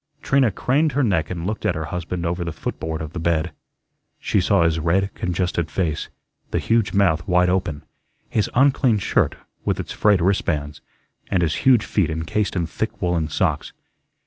Trina craned her neck and looked at her husband over the footboard of the bed. She saw his red, congested face; the huge mouth wide open; his unclean shirt, with its frayed wristbands; and his huge feet encased in thick woollen socks.